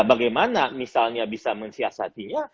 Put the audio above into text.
bagaimana misalnya bisa mensiasatinya